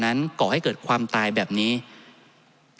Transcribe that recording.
ท่านประธานครับนี่คือสิ่งที่สุดท้ายของท่านครับ